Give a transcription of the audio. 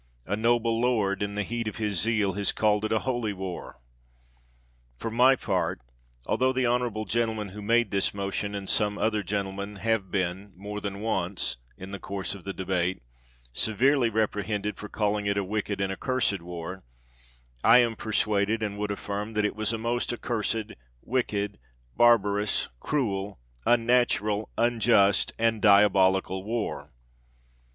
A noble lord, in the heat of his zeal, has called it a holy war. For my part, altho the honorable gentleman who made this motion, and some other gentlemen, have been, more than once, in the course of the debate, severely reprehended for calling it a wicked and accursed war, I am persuaded, and would affirm, that it was a most accursed, wicked, barbarous, cruel, unnatural, unjust and diabolical war